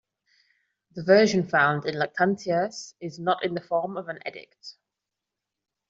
The version found in Lactantius is not in the form of an edict.